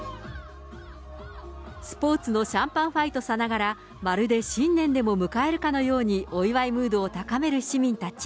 スポーツのシャンパン・ファイトさながら、まるで新年でも迎えるかのように、お祝いムードを高める市民たち。